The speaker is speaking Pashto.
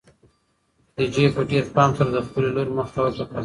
خدیجې په ډېر پام سره د خپلې لور مخ ته وکتل.